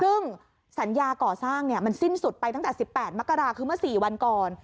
ซึ่งสัญญาก่อสร้างมันสิ้นสุดไปตั้งแต่๑๘มกราคือเมื่อ๔วันก่อน